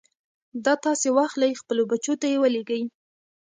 دا تاسې واخلئ خپلو بچو ته يې ولېږئ.